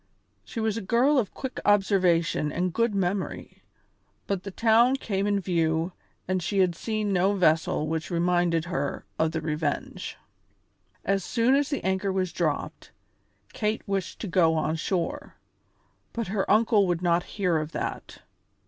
She was a girl of quick observation and good memory, but the town came in view and she had seen no vessel which reminded her of the Revenge. As soon as the anchor was dropped, Kate wished to go on shore, but her uncle would not hear of that.